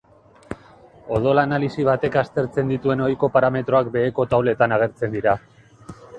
Odol-analisi batek aztertzen dituen ohiko parametroak beheko tauletan agertzen dira.